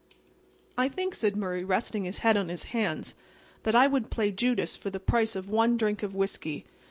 "I think," said Murray, resting his head on his hands, "that I would play Judas for the price of one drink of whiskey.